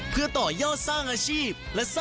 เพื่อต่อยอดสร้างอาชีพ